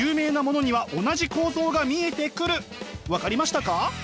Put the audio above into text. つまり分かりましたか？